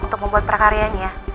untuk membuat prakaryanya